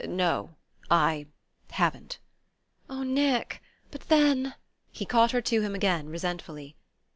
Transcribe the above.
"No... I... haven't." "Oh, Nick! But then ?" He caught her to him again, resentfully.